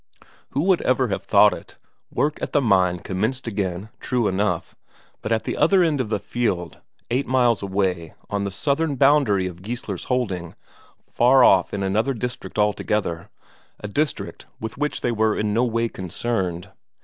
Who would ever have thought it; work at the mine commenced again, true enough but at the other end of the fjeld, eight miles away, on the southern boundary of Geissler's holding, far off in another district altogether, a district with which they were in no way concerned.